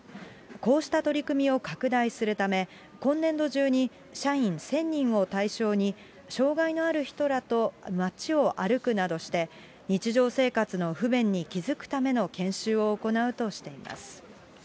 こうした取り組みを拡大するため、今年度中に社員１０００人を対象に、障害のある人らと街を歩くなどして、日常生活の不便に気付くための研修を行うとしています。